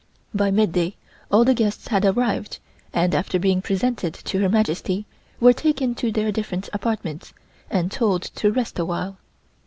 By midday all the guests had arrived, and, after being presented to Her Majesty, were taken to their different apartments and told to rest a while.